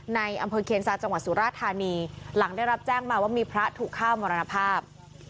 ในอำเภอเคียนซาจังหวัดสุราธานีหลังได้รับแจ้งมาว่ามีพระถูกฆ่ามรณภาพ